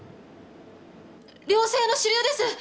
良性の腫瘍です。